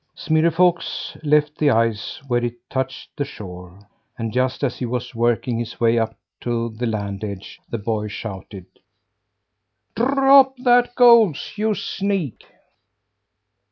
Smirre Fox left the ice where it touched the shore. And just as he was working his way up to the land edge, the boy shouted: "Drop that goose, you sneak!"